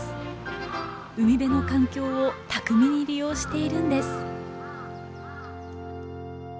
海辺の環境を巧みに利用しているんです。